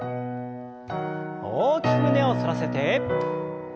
大きく胸を反らせて。